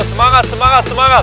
semangat semangat semangat